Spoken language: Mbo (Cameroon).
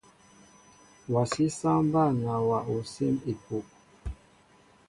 Wasi saŋ mba nawa osim epuh.